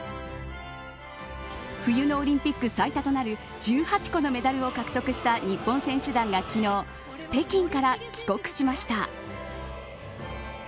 冬のオリンピック最多となる１８個のメダルを獲得した日本選手団が昨日、北京から帰国しました。